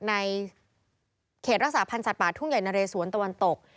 ในเขตรักษาพันธ์สัตว์ป่าทุ่งใหญ่นะเรสวนตะวันตก